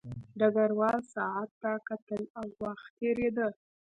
ډګروال ساعت ته کتل او وخت تېرېده